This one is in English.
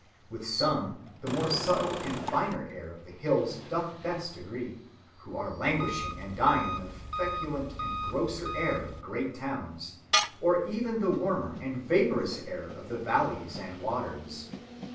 With some the more subtle and finer air of the hills doth best agree, who are languishing and dying in the feculent and grosser air of great towns, or even the warmer and vaporous air of the valleys and waters.